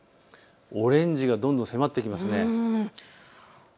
オレンジがどんどん迫ってきます。